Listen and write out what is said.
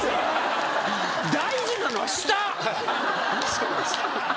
そうです。